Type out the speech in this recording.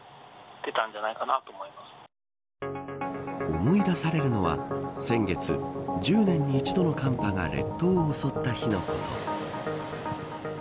思い出されるのは先月、１０年に一度の寒波が列島を襲った日のこと。